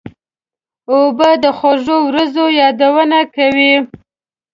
اوبه د خوږو ورځو یادونه کوي.